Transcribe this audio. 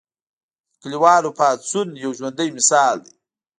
د کلیوالو پاڅون یو ژوندی مثال دی.